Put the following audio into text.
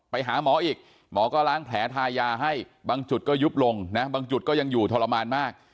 ไปหาหมออีกหมอก็ล้างแผลทายาให้บางจุดก็ยุบลงนะบางจุดก็ยังอยู่ทรมานมาก